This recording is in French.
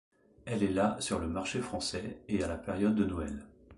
Elle est la sur le marché français et à la période de Noël.